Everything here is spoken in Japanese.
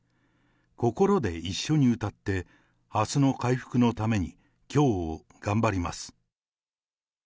心で一緒に歌って、あすの回復のために、きょうを頑張ります。